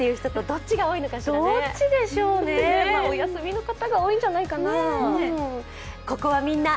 どっちかな、お休みの方が多いんじゃないかな。